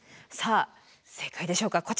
さあ正解でしょうか？